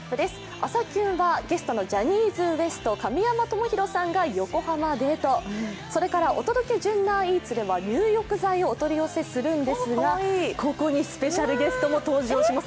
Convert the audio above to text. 「朝キュン」はゲストのジャニーズＷＥＳＴ・神山智洋さんが横浜デート、それから「お届け！ｊｕｎｎａｒＥａｔｓ」では、入浴剤をお取り寄せするんですが、ここにスペシャルゲストも登場します。